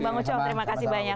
bang uco terima kasih banyak